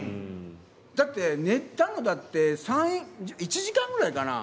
だって寝たのだって、１時間ぐらいかな？